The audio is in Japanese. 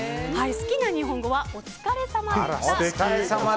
好きな日本語は「お疲れさまでした」。